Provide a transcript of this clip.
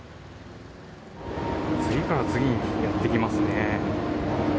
次から次にやって来ますね。